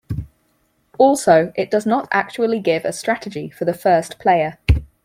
Also, it does not actually give a strategy for the first player.